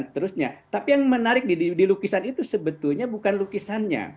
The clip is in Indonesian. terusnya tapi yang menarik di lukisan itu sebetulnya bukan lukisannya